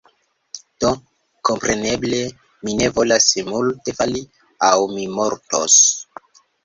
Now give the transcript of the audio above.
do, kompreneble, mi ne volas multe fali, aŭ mi mortos.